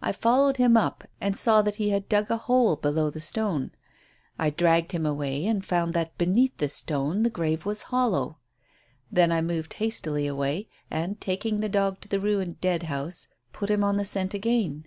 I followed him up and saw that he had dug a hole below the stone. I dragged him away, and found that beneath the stone the grave was hollow. Then I moved hastily away, and, taking the dog to the ruined dead house, put him on the scent again.